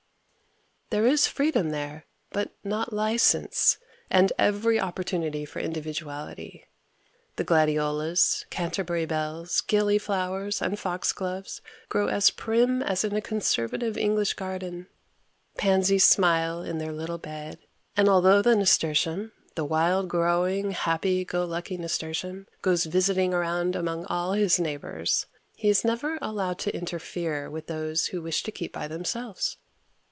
There is freedom there, but not license, and every opportunity for individuality. The gladiolas, canterbury bells, gillie flowers and fox gloves grow as prim as in a conservative English garden. Pansies smile in their little bed, and although the nasturtium, the wild growing, happy go lucky nasturtium, goes visiting around among all his neighbors, he is never allowed to interfere with those who wish to keep by themselves.